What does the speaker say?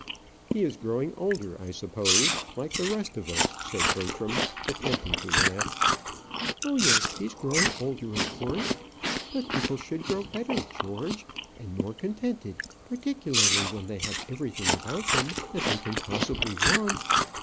"He is growing older, I suppose; like the rest of us," said Bertram, attempting to laugh. "Oh, yes; he's growing older, of course. But people should grow better, George, and more contented; particularly when they have everything about them that they can possibly want."